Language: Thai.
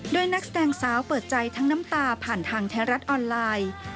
โดยนักแสดงสาวเปิดใจทั้งน้ำตาผ่านทางไทยรัฐออนไลน์